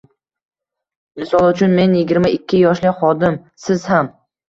Misol uchun men yigirma ikki yoshli xodim, siz ham.